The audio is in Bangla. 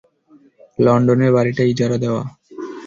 লন্ডনের বাড়িটা ইজারা দেওয়া!